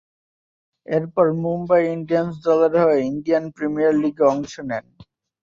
এরপর মুম্বাই ইন্ডিয়ান্স দলের হয়ে ইন্ডিয়ান প্রিমিয়ার লীগে অংশ নেন।